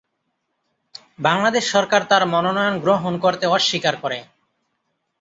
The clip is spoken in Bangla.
বাংলাদেশ সরকার তার মনোনয়ন গ্রহণ করতে অস্বীকার করে।